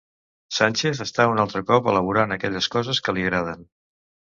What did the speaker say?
Sánchez està un altre cop elaborant aquelles coses que li agraden